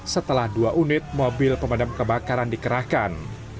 setelah dua unit mobil pemadam kebakaran dikerahkan